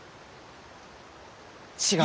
違う。